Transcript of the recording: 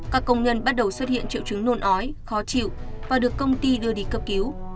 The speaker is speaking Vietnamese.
các công nhân bắt đầu xuất hiện triệu chứng nôn ói khó chịu và được công ty đưa đi cấp cứu